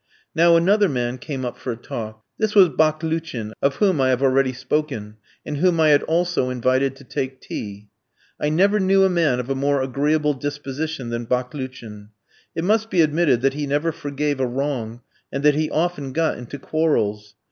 Now another man came up for a talk. This was Baklouchin, of whom I have already spoken, and whom I had also invited to take tea. I never knew a man of a more agreeable disposition than Baklouchin. It must be admitted that he never forgave a wrong, and that he often got into quarrels.